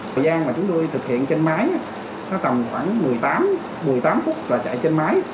thời gian mà chúng tôi thực hiện trên máy nó tầm khoảng một mươi tám phút là chạy trên máy